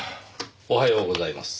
おはようございます。